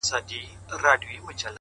چي موږ ټوله په یوه ژبه ګړېږو.!